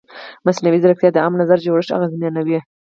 مصنوعي ځیرکتیا د عامه نظر جوړښت اغېزمنوي.